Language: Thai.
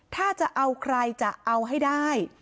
ถ้าจะเอาใครจะเอาให้ได้